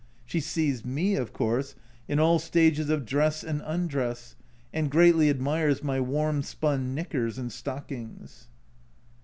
She sees me, of course, in all stages of dress and undress, and greatly admires my warm spun knickers and stockings